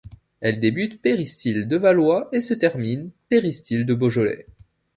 Elle débute péristyle de Valois et se termine péristyle de Beaujolais.